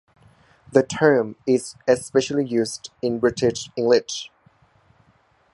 The term is especially used in British English.